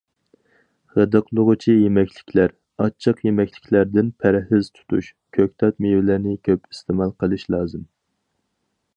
غىدىقلىغۇچى يېمەكلىكلەر، ئاچچىق يېمەكلىكلەردىن پەرھىز تۇتۇش، كۆكتات، مېۋىلەرنى كۆپ ئىستېمال قىلىش لازىم.